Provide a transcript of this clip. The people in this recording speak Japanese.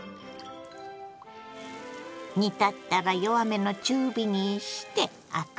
煮立ったら弱めの中火にしてアクを除き。